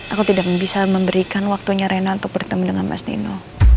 aku tidak bisa memberikan waktunya rena untuk bertemu dengan mas dino